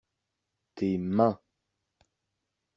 Tes mains.